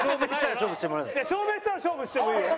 証明したら勝負してもらえる？